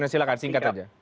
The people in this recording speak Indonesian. silahkan singkat saja